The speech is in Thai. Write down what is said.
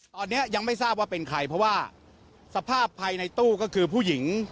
ตอนนี้ยังไม่ทราบว่าเป็นใครเพราะว่าสภาพภายในตู้ก็คือผู้หญิง